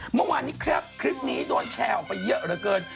เมื่อวานนี้คลิปนี้โดนแชร์ออกไปเยอะเหลือเกิน